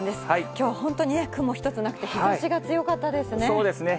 きょう本当にね、雲一つなくて、日ざしが強かったですね。